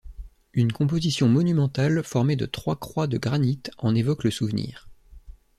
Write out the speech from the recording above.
Une composition monumentale formée de trois croix de granit en évoque le souvenir.